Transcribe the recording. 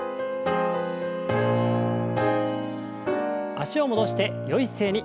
脚を戻してよい姿勢に。